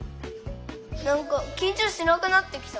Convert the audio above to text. なんかきんちょうしなくなってきた！